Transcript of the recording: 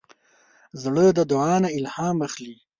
زړه د دعا نه الهام اخلي.